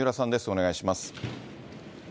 お願いします。